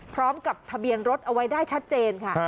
พร้อมกับทะเบียนรถเอาไว้ได้ชัดเจนค่ะ